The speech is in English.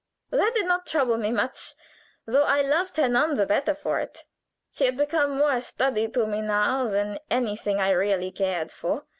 "That did not trouble me much, though I loved her none the better for it. She had become more a study to me now than anything I really cared for.